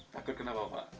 takut kenapa pak